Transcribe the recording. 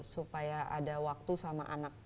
supaya ada waktu sama anak